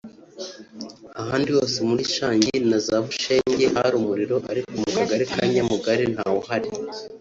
ahandi hose muri Shangi na za Bushenge hari umuriro ariko mu Kagali ka Nyamugali ntawuhari